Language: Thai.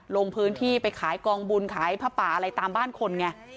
ลงพื้นที่ไปขายกองบุญขายผ้าป่าอะไรตามบ้านคนไง